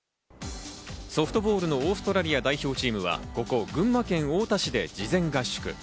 ソフトボールのオーストラリア代表チームは、ここ群馬県太田市で事前合宿。